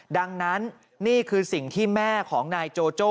ดังนั้นนี่คือสิ่งที่แม่ของนายโจโจ้